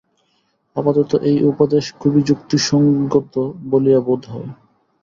আপাতত এই উপদেশ খুব যুক্তিসঙ্গত বলিয়া বোধ হয়।